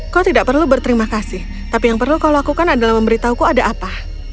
kau tidak perlu berterima kasih tapi yang perlu kau lakukan adalah memberitahuku ada apa